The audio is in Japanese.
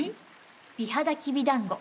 美肌きびだんご。